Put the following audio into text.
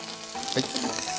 はい。